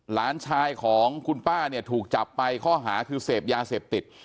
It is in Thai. หลานชายของคุณป้าเนี่ยถูกจับไปข้อหาคือเสพยาเสพติด